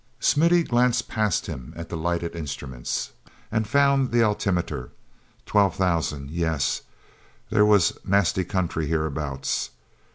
Smithy glanced past him at the lighted instruments and found the altimeter. Twelve thousand—yes, there was nasty country hereabouts.